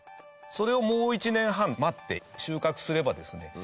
それをもう１年半待って収穫すればですね